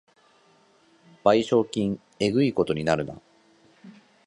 賠償金えぐいことになるな